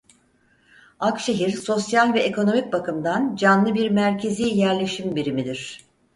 Akşehir sosyal ve ekonomik bakımdan canlı bir merkezî yerleşim birimidir.